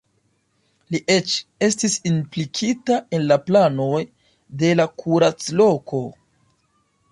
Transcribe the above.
Li eĉ estis implikita en la planoj de la kuracloko.